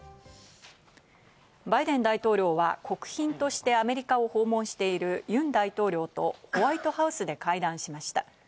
バイデン大統領は国賓としてアメリカを訪問しているユン大統領とホワイトハウスで会談しました。